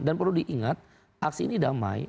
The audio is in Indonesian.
dan perlu diingat aksi ini damai